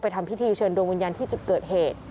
ทำพิธีเชิญดวงวิญญาณที่จุดเกิดเหตุ